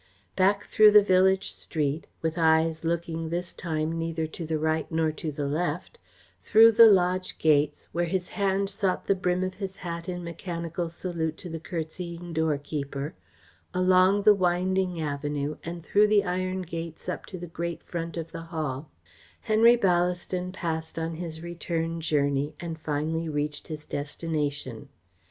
Back through the village street, with eyes looking this time neither to the right nor to the left, through the lodge gates, where his hand sought the brim of his hat in mechanical salute to the curtseying doorkeeper, along the winding avenue, and through the iron gates up to the great front of the Hall, Henry Ballaston passed on his return journey and finally reached his destination.